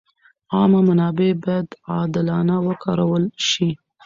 عامه منابع باید عادلانه وکارول شي.